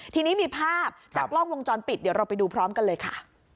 ทีนี้มีภาพจากกล้องวงจรปิดเดี๋ยวเราไปดูพร้อมกันเลยค่ะ